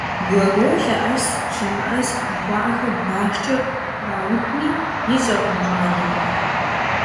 «Глагол лъэӀэс, лъэмыӀэс» жыхуаӀэхэр башкӀэ къраудми ищӀэркъым щӀалэм.